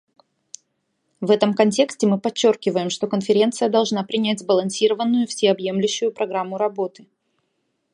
В этом контексте мы подчеркиваем, что Конференция должна принять сбалансированную, всеобъемлющую программу работы.